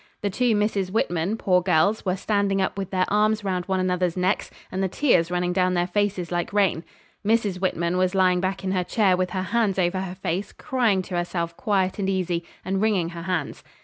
The two Misses Whitman, poor girls, were standing up with their arms round one another's necks, and the tears running down their faces like rain. Mrs. Whitman was lying back in her chair with her hands over her face cryin' to herself quiet and easy, and wringing her hands.